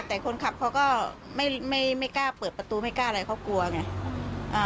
แต่คนขับเขาก็ไม่ไม่กล้าเปิดประตูไม่กล้าอะไรเขากลัวไง